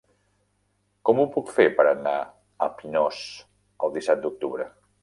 Com ho puc fer per anar a Pinós el disset d'octubre?